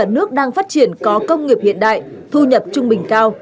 nước đang phát triển có công nghiệp hiện đại thu nhập trung bình cao